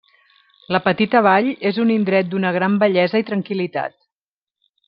La petita vall és un indret d'una gran bellesa i tranquil·litat.